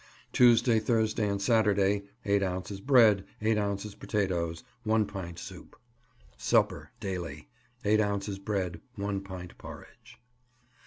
Tuesday, Thursday and Saturday 8 ounces bread, 8 ounces potatoes, 1 pint soup. Supper Daily 8 ounces bread, 1 pint porridge.